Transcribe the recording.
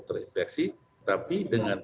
terinfeksi tapi dengan